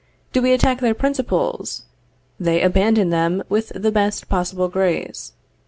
Do we attack their principles? They abandon them with the best possible grace.